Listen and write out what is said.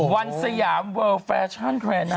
วันสยามเวิร์ลแฟชั่นเทรนด์นะ